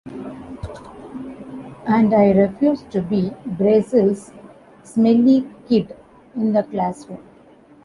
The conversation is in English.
And I refuse to be Brazil's smelly kid in the classroom.